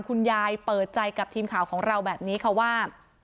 คุณยายเปิดใจกับทีมข่าวของเราแบบนี้ค่ะว่า